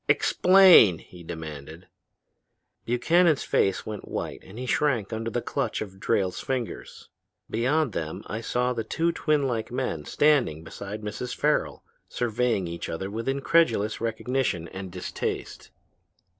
'Explain!' he demanded. "Buchannon's face went white and he shrank under the clutch of Drayle's fingers. Beyond them I saw the two twinlike men standing beside Mrs. Farrel, surveying each other with incredulous recognition and distaste.